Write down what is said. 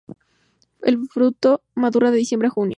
El fruto madura de diciembre a junio.